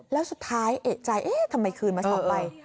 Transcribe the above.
แล้วสุดท้ายเอกใจเอ๊ะทำไมคืนมา๒ใบ